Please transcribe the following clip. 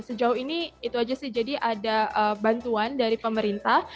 sejauh ini itu aja sih jadi ada bantuan dari pemerintah